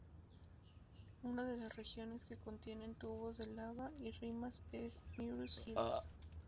Una de las regiones que contienen tubos de lava y rimas es Marius Hills.